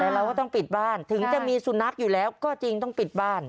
เราก็ต้องปิดบ้านถึงจะมีสุนัขอยู่แล้วก็จริงต้องปิดบ้าน